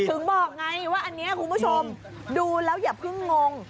ถึงบอกไงว่าอันนี้คุณผู้ชมดูแล้วอย่าเพิ่งงง